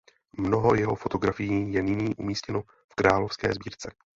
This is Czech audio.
Mnoho jeho fotografií je nyní umístěno v Královské sbírce.